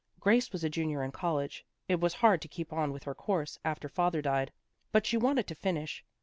Grace was a Junior in college. It was hard to keep on with her course, after father died, but she wanted to finish.